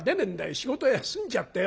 仕事休んじゃってよ。